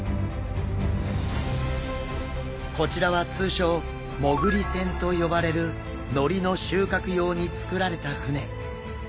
こちらは通称もぐり船と呼ばれるのりの収穫用に造られた船。